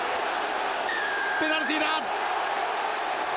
ペナルティーだ！